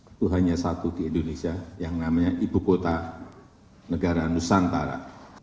itu hanya satu di indonesia yang namanya ibu kota negara nusantara